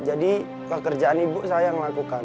jadi pekerjaan ibu saya yang melakukan